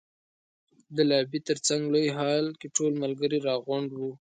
د لابي تر څنګ لوی هال کې ټول ملګري را غونډ وو.